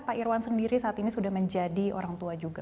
pak irwan sendiri saat ini sudah menjadi orang tua juga